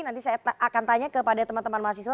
nanti saya akan tanya kepada teman teman mahasiswa